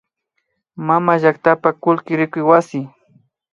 Mamallaktapa kullki rikuy wasi